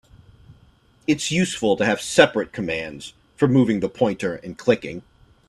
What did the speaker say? It's useful to have separate commands for moving the pointer and clicking.